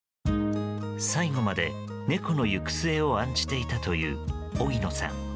最期まで猫の行く末を案じていたという荻野さん。